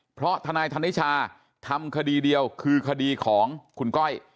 เพราะทนายธนิชาทำคดีเดียวคือคดีของคุณก้อย